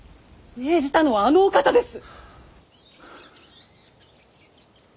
命じたのはあのお方です！